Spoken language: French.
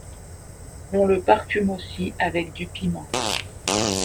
On le parfume aussi avec du piment.